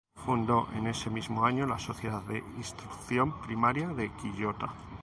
Fundó en ese mismo año la Sociedad de Instrucción Primaria de Quillota.